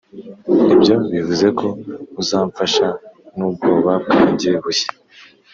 ibyo bivuze ko uzamfasha nubwoba bwanjye bushya